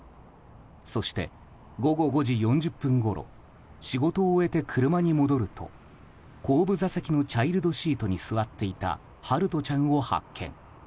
そして午後５時４０分ごろ仕事を終えて、車に戻ると後部座席のチャイルドシートに座っていた陽翔ちゃんを発見。